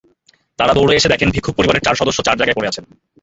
তাঁরা দৌড়ে এসে দেখেন ভিক্ষুক পরিবারের চার সদস্য চার জায়গায় পড়ে আছেন।